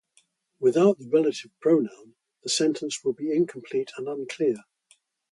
Without the relative pronoun, the sentence would be incomplete and unclear.